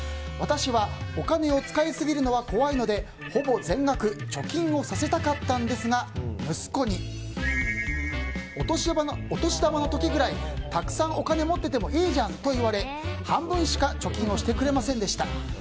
私はお金を使いすぎるのは怖いのでほぼ全額貯金をさせたかったんですが息子に、お年玉の時ぐらいたくさんお金持っててもいいじゃんと言われ、半分しか貯金をしてくれませんでした。